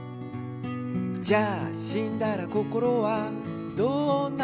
「じゃあしんだらこころはどうなるの？」